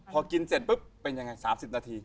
พอกินเสร็จปุ๊บเป็นยังไง๓๐นาที